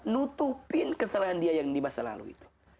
nutupin kesalahan dia yang di masa lalu itu